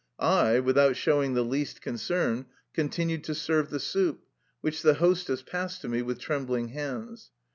I, without showing the least concern, continued to serve the soup, which the hostess passed to me with trembling hands.